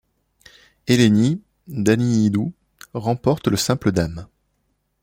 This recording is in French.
Eléni Daniilídou remporte le simple dames.